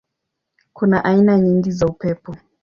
Kuna aina nyingi za upepo.